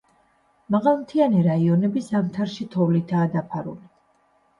მაღალმთიანი რაიონები ზამთარში თოვლითაა დაფარული.